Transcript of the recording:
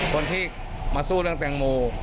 คนที่มาสู้เรื่องแตงโม